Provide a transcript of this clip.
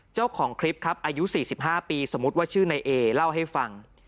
เจ้าของคลิปครับอายุ๔๕ปีสมมุติว่าชื่อนายเอเล่าให้ฟัง